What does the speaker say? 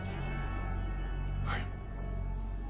はい。